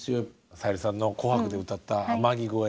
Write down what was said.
さゆりさんの「紅白」で歌った「天城越え」